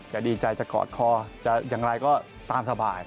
ดีใจจะกอดคอจะอย่างไรก็ตามสบาย